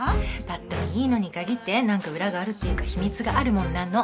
ぱっと見いいのに限って何か裏があるっていうか秘密があるもんなの。